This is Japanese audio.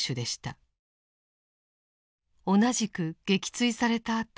同じく撃墜されたあと